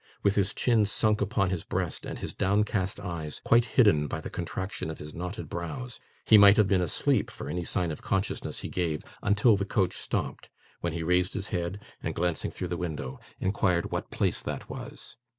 With his chin sunk upon his breast, and his downcast eyes quite hidden by the contraction of his knotted brows, he might have been asleep for any sign of consciousness he gave until the coach stopped, when he raised his head, and glancing through the window, inquired what place that was.